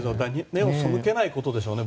目を背けないことでしょうね。